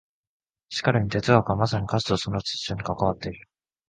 しかるに哲学はまさに価値とその秩序に関わっている。